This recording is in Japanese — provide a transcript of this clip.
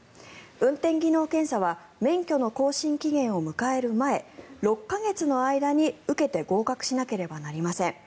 運転技能検査は免許の更新期限を迎える前６か月の間に受けて合格しなければなりません。